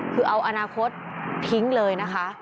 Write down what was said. คือเอาอนาคตทิ้งเลยนะคะ